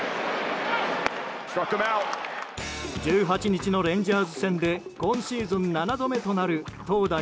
１８日のレンジャーズ戦で今シーズン７度目となる投打